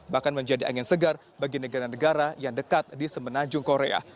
bahkan menjadi angin segar bagi negara negara yang dekat di semenanjung korea